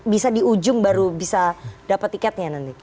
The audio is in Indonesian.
bisa di ujung baru bisa dapat tiketnya nanti